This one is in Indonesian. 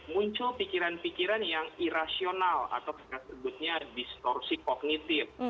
muncul pikiran pikiran yang irasional atau disebutnya distorsi kognitif